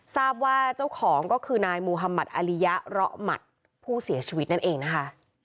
ทราบว่าเจ้าของก็คือนายมุธมัติอริยะเลาะหมัดผู้เสียชีวิตนั่นเองนะคะ